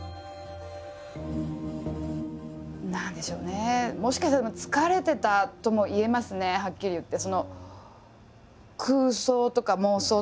何でしょうねもしかしたら疲れてたとも言えますねはっきり言って。